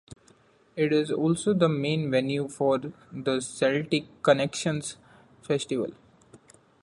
It is also the main venue for the Celtic Connections Festival.